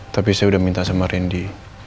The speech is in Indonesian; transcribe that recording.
tapi saya udah minta sama rendy